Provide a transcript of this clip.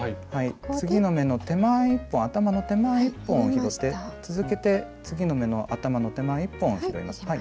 次の目の手前１本頭の手前１本を拾って続けて次の目の頭の手前１本を拾います。